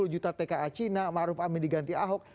sepuluh juta tka cina maruf amin diganti ahok